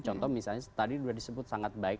contoh misalnya tadi sudah disebut sangat baik